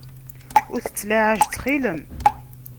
Ur tettlaɛaj ttxil-m.